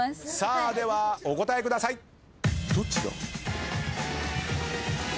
さあではお答えください。ＯＫ！